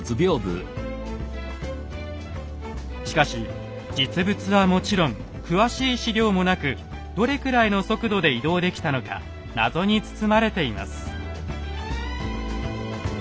しかし実物はもちろん詳しい史料もなくどれくらいの速度で移動できたのかナゾに包まれています。